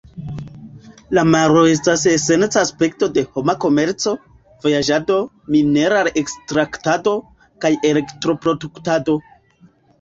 La maro estas esenca aspekto de homa komerco, vojaĝado, mineral-ekstraktado, kaj elektro-produktado.